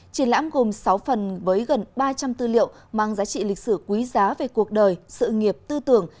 triển lãm gồm sáu phần với gần ba trăm linh tư liệu mang giá trị lịch sử quý giá về cuộc đời sự nghiệp tư tưởng